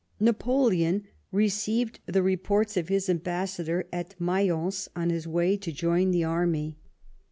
Napoleon received the reports of his ambassador at Mayence on his way to join the army.